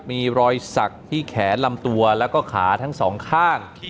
มีรอยสักที่แขนลำตัวแล้วก็ขาทั้งสองข้าง